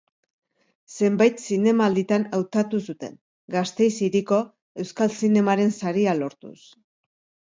Zenbait zinemalditan hautatu zuten, Gasteiz Hiriko Euskal Zinemaren Saria lortuz.